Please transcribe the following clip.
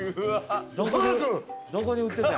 どこに売ってた？